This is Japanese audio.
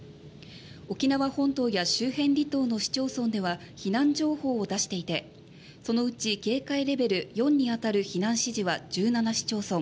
沖縄本島や周辺離島の市町村では避難情報を出していてそのうち警戒レベル４に当たる避難指示は１７市町村